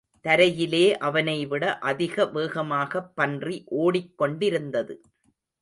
தரையிலே அவனைவிட அதிக வேகமாகப் பன்றி ஓடிக்கொண்டிருந்தது.